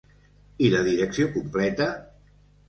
I la direcció completa?